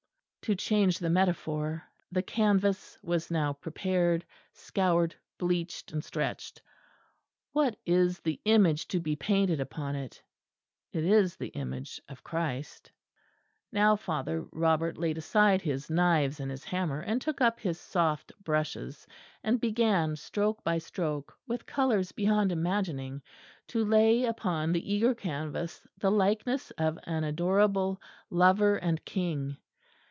To change the metaphor, the canvas was now prepared, scoured, bleached and stretched. What is the image to be painted upon it? It is the image of Christ. Now Father Robert laid aside his knives and his hammer, and took up his soft brushes, and began stroke by stroke, with colours beyond imagining, to lay upon the eager canvas the likeness of an adorable Lover and King.